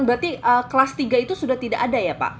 berarti kelas tiga itu sudah tidak ada ya pak